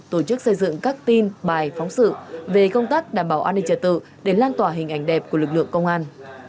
tổ chức xây dựng các tin bài phóng sự về công tác đảm bảo an ninh trật tự để lan tỏa hình ảnh đẹp của lực lượng công an